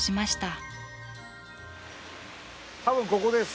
多分ここです。